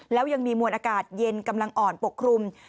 แล้วยังมีมวลอากาศเย็นกำลังอ่อนปกคลุม